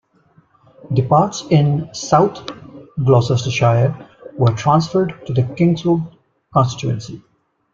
The parts in South Gloucestershire were transferred to the Kingswood constituency.